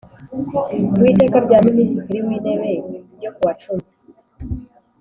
w Iteka rya Minisitiri w Intebe n ryo kuwa cumi